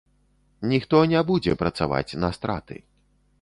Ніхто не будзе працаваць на страты.